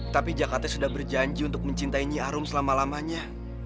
tapi jaka teh sudah berjanji untuk mencintai nyi arum selama lamanya